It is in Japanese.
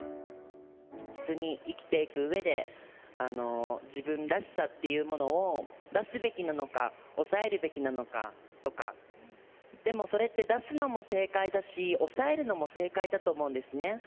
普通に生きていくうえで、自分らしさっていうものを出すべきなのか、抑えるべきなのかとか、でもそれって出すのも正解だし、抑えるのも正解だと思うんですね。